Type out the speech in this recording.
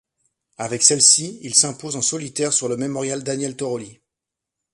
Avec celle-ci, il s'impose en solitaire sur le Mémorial Daniele Tortoli.